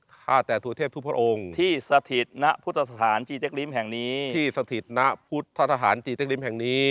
ข้าแต่สวทธิพย์ทุกพระองค์ที่สถิตณพุทธศาสตร์จีเต็กริมแห่งนี้